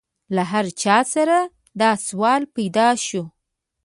له هر چا سره دا سوال پیدا شو.